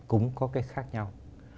cũng có cái khác nhau